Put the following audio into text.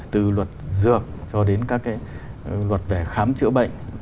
từ luật dược cho đến các cái luật về khám chữa bệnh